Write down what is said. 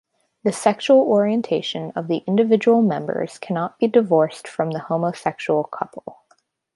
The sexual orientation of the individual members cannot be divorced from the homosexual couple.